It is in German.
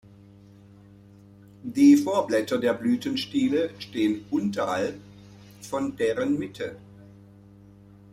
Die Vorblätter der Blütenstiele stehen unterhalb von deren Mitte.